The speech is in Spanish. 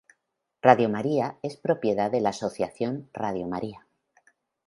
Radio María es propiedad de la Asociación Radio María.